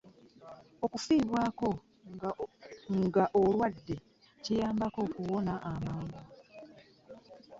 Okufiibwako nga olwadde kiyambako mu kuwona amangi.